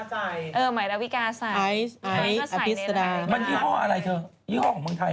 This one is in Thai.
เหมือนหลักวิกาใส่อาพิสตะดาห์ค่ะมันชื่ออะไรเธอชื่ออะไรของเมืองไทย